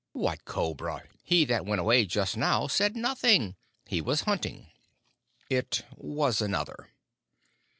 "What cobra? He that went away just now said nothing. He was hunting." "It was another."